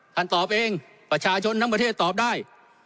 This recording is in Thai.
ท่านตอบเองประชาชนทั้งประเทศตอบได้